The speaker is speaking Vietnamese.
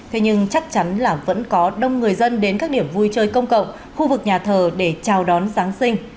thế nhưng chắc chắn là vẫn có đông người dân đến các điểm vui chơi công cộng khu vực nhà thờ để chào đón giáng sinh